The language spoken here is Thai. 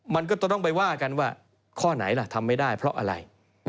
มันก็ต้องไปว่ากันว่าข้อไหนล่ะทำไม่ได้เพราะอะไร